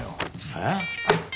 えっ？